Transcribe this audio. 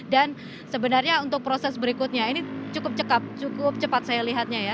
dan sebenarnya untuk proses berikutnya ini cukup cepat cukup cepat saya lihatnya ya